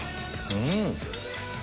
うん！